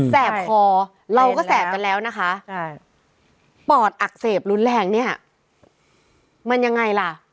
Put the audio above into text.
แสบคอเราก็แสบกันแล้วปอดอักเสบรุนแรงมันยังไงล่ะ